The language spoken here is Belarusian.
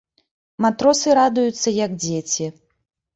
Матросы радуюцца, як дзеці.